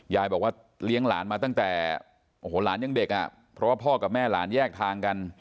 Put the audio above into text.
ยายบอกว่าเลี้ยงหลานมาตั้งแต่โอ้โหหลานยังเด็กอ่ะเพราะว่าพ่อกับแม่หลานแยกทางกัน